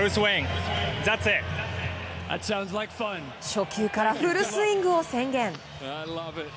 初球からフルスイングを宣言。